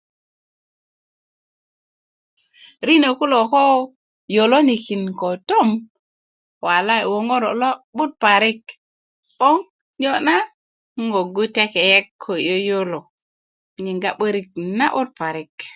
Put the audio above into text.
rino kulo ko yolonkin ko tom walai woŋoro lo'but parik 'bong nio na nan wogu tekeyek ko yi yoyolo nan yinga 'borik na'but parik